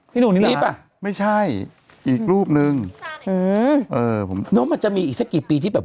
หนุ่มนี่รีบป่ะไม่ใช่อีกรูปนึงเออผมแล้วมันจะมีอีกสักกี่ปีที่แบบ